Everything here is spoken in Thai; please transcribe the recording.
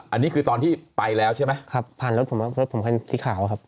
อันนี้คือตอนที่ไปแล้วใช่ไหมครับผ่านรถผมรถผมคันสีขาวครับ